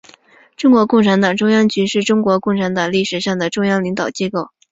中国共产党中央局是中国共产党历史上的中央领导机构。